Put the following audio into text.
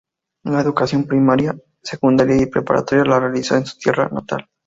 La educación primaria, secundaria y preparatoria la realizó en su tierra natal.